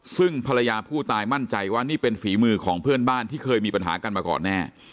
ซึ่งภรรยาผู้ตายมั่นใจว่านี่เป็นฝีมือของเพื่อนบ้านที่เคยมีปัญหากันมาก่อนแน่